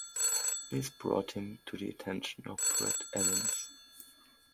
This brought him to the attention of Brett Ewins.